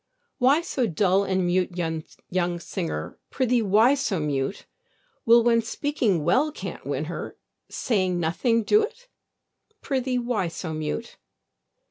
Why so dull and mute, young sinner? Prithee, why so mute? Will, when speaking well can't win her, Saying nothing do't? Prithee, why so mute?